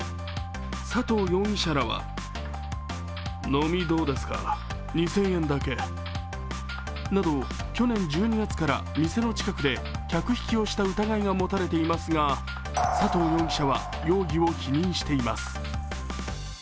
佐藤容疑者らはなど、去年１２月から店の近くで客引きをした疑いが持たれていますが佐藤容疑者は容疑を否認しています。